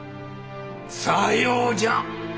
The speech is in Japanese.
さようじゃ。